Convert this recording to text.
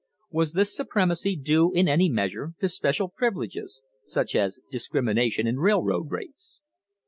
Was this supremacy due in any measure to special privileges, such as discrimina tion in railroad rates?